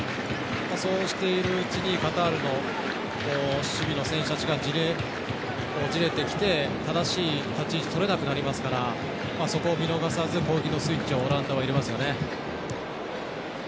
そうしているうちにカタールの守備の選手たちがじれてきて、正しい立ち位置がとれなくなりますからそこを見逃さす攻撃のスイッチをオランダは入れますよね。